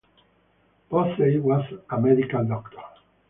Posey was a medical doctor.